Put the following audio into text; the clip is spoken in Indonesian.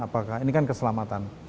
apakah ini kan keselamatan